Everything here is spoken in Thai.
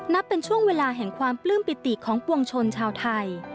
เป็นช่วงเวลาแห่งความปลื้มปิติของปวงชนชาวไทย